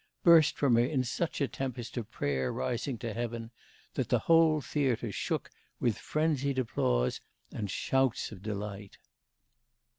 burst from her in such a tempest of prayer rising to heaven, that the whole theatre shook with frenzied applause and shouts of delight.